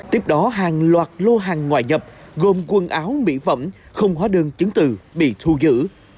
tiếp đó hàng loạt lô hàng ngoại nhập gồm quần áo mỹ phẩm không hóa đơn chứng từ bị thu giữ